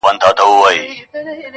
o پلار او مور یې په قاضي باندي نازېږي,